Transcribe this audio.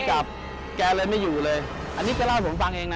กลับแกเลยไม่อยู่เลยอันนี้แกเล่าให้ผมฟังเองนะ